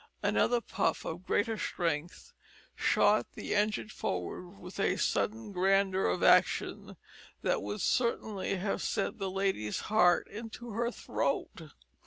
Another puff of greater strength shot the engine forward with a sudden grandeur of action that would certainly have sent that lady's heart into her throat.